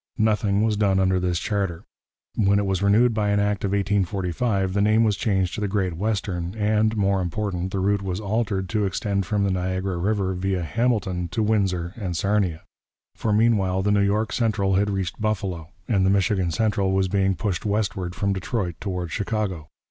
Nothing was done under this charter. When it was renewed by an Act of 1845, the name was changed to the Great Western, and, more important, the route was altered to extend from the Niagara river via Hamilton to Windsor and Sarnia. For meanwhile the New York Central had reached Buffalo, and the Michigan Central was being pushed westward from Detroit toward Chicago.